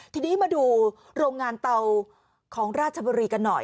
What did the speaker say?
ทีนี้มาดูโรงงานเตาของราชบุรีกันหน่อย